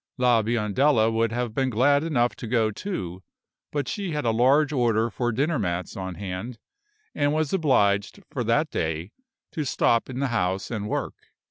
La Biondella would have been glad enough to go too, but she had a large order for dinner mats on hand, and was obliged, for that day, to stop in the house and work.